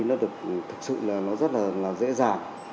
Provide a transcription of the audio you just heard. nó được thực sự là nó rất là dễ dàng